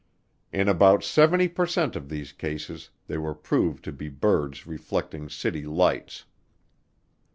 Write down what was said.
In about 70 per cent of these cases they were proved to be birds reflecting city lights.